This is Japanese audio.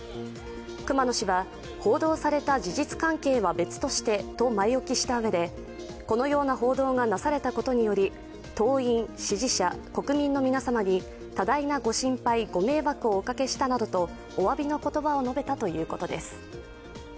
熊野氏は、報道された事実関係は別としてと前置きしたうえでこのような報道がなされたことにより党員・支持者・国民の皆様に多大なご心配、ご迷惑をおかけしたなどとおわびの言葉を述べたということです。